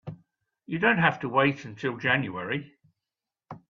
You don't have to wait till January.